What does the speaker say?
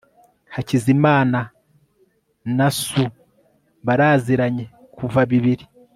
hakizimana na sue baraziranye kuva bibiri